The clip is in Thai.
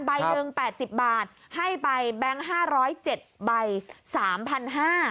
ใบหนึ่งแปดสิบบาทให้ไปแบงค์ห้าร้อยเจ็ดใบสามพันห้า